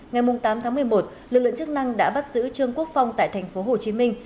ngày tám tháng một mươi một lực lượng chức năng đã bắt giữ trương quốc phong tại thành phố hồ chí minh